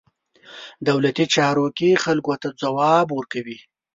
دولتي چارواکي خلکو ته ځواب ورکوي.